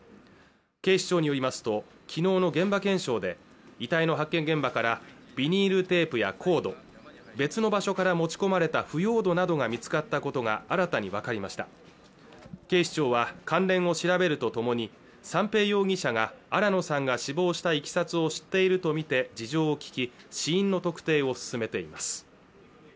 警視庁によりますときのうの現場検証で遺体の発見現場からビニールテープやコード別の場所から持ち込まれた腐葉土などが見つかったことが新たに分かりました警視庁は関連を調べるとともに三瓶容疑者が新野さんが死亡した経緯を知っているとみて事情を聞き死因の特定を進めています